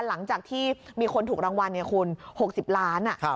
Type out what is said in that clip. หลังจากที่มีคนถูกรางวัลคุณ๖๐ล้าน